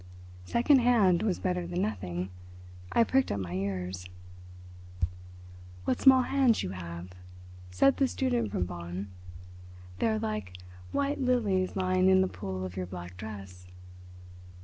Second hand was better than nothing; I pricked up my ears. "What small hands you have," said the student from Bonn. "They are like white lilies lying in the pool of your black dress."